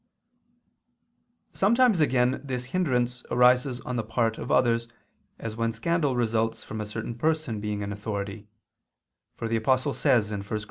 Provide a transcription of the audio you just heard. Sometimes again this hindrance arises on the part of others, as when scandal results from a certain person being in authority: for the Apostle says (1 Cor.